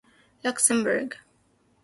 Luxembourg